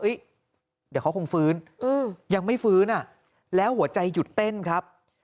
เดี๋ยวเขาคงฟื้นยังไม่ฟื้นอ่ะแล้วหัวใจหยุดเต้นครับ